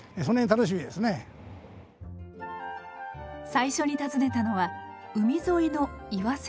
最初に訪ねたのは海沿いの岩瀬地区。